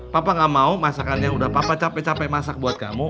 papa gak mau masakannya udah papa capek capek masak buat kamu